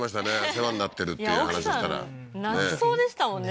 世話になってるっていう話したらいや奥さん泣きそうでしたもんね